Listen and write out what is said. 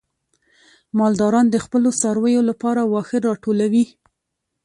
مالداران د خپلو څارویو لپاره واښه راټولوي.